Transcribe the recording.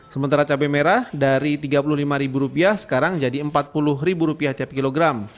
sementara cabai merah dari rp tiga puluh lima sekarang jadi rp empat puluh tiap kilogram